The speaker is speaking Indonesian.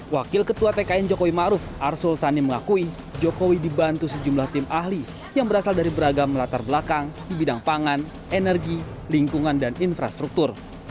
wakil ketua tkn jokowi ⁇ maruf ⁇ arsul sani mengakui jokowi dibantu sejumlah tim ahli yang berasal dari beragam latar belakang di bidang pangan energi lingkungan dan infrastruktur